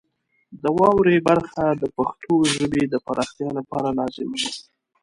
د واورئ برخه د پښتو ژبې د پراختیا لپاره لازمه ده.